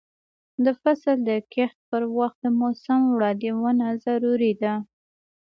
د فصل د کښت پر وخت د موسم وړاندوینه ضروري ده.